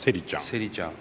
セリちゃん。